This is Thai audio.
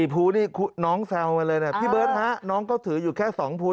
ภูนี่น้องแซวมาเลยนะพี่เบิร์ตฮะน้องก็ถืออยู่แค่๒ภู